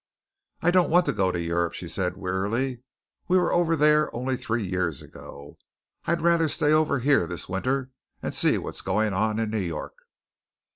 "I don't want to go to Europe," she said warily. "We were over there only three years ago. I'd rather stay over here this winter and see what's going on in New York."